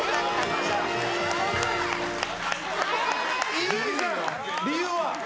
伊集院さん、理由は？